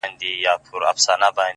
يار ژوند او هغه سره خنـديږي;